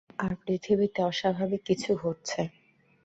আর পৃথিবীতে অস্বাভাবিক কিছু ঘটছে।